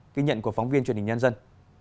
kinh nhận của phóng viên truyền hình nhân dân